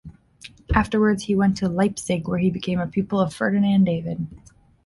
Afterwards he went to Leipzig, where he became a pupil of Ferdinand David.